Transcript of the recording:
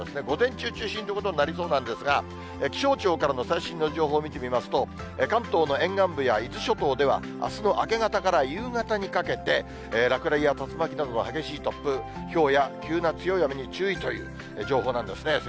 午前中中心ということになりそうなんですが、気象庁からの最新の情報を見てみますと、関東の沿岸部や伊豆諸島では、あすの明け方から夕方にかけて、落雷や竜巻などの激しい突風、ひょうや急な強い雨に注意という情報なんですね。